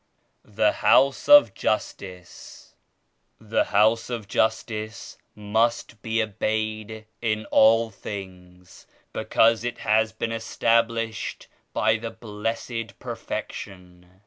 28 THE HOUSE OF JUSTICE. "The House of Justice must be obeyed in all things because it has been established by the Blessed Perfection.